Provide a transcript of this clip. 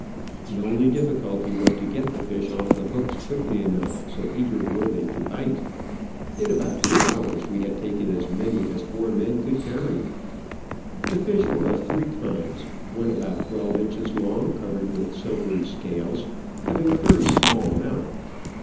The only difficulty was to get the fish off" the hooks quickly enough, so eager were they to bite. In about two Digitized by VjOOQ IC 92 Travels and Adventures hours we had taken as many as four men could carry. The fish were of three kinds, one about twelve inches long, covered with silvery scales, having a very small mouth.